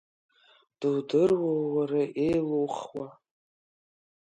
Дудыруоу, уара, еилухуа?